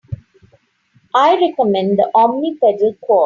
I recommend the Omni pedal Quad.